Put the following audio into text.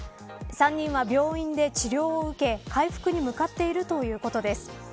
３人は病院で治療を受け回復に向かっているということです。